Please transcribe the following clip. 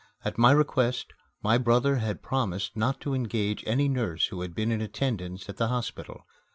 At my request my brother had promised not to engage any nurse who had been in attendance at the hospital.